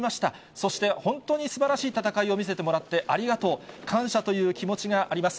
そして、本当にすばらしい戦いを見せてもらってありがとう、感謝という気持ちがあります。